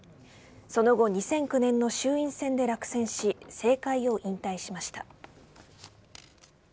その後２００９年の衆院選で落選し政界を引退しました。